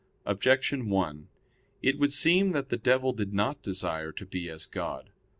Objection 1: It would seem that the devil did not desire to be as God.